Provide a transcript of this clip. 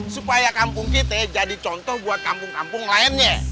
supaya kampung kita jadi contoh buat kampung kampung lainnya